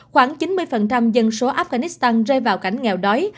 khoảng chín mươi dân số afghanistan rơi vào cảnh nghèo đói